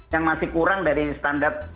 yang masih kurang dari standar